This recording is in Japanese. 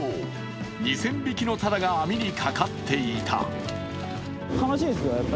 ２０００匹のたらが網にかかっていた。